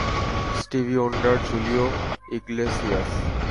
স্টিভি wonder, Julio Iglesias.